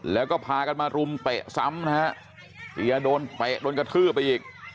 แล้วก็พากันมารุมเตะซ้ำนะฮะเตียโดนเตะโดนกระทืบไปอีก